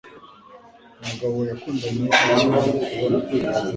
Umugabo yakundanye akimara kubona.